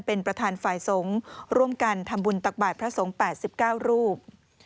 เป็นประธานฝ่ายสงฆ์ร่วมกันทำบุญตักบาทพระสงฆ์๘๙รูป